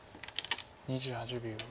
２８秒。